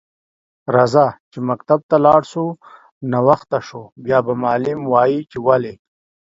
راځه چی مکتب ته لاړ شو ناوخته شو بیا به معلم وایی چی ولی